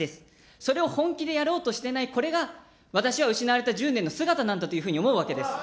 それを本気でやろうとしてない、これが私は失われた１０年の姿なんだというふうに思うわけです。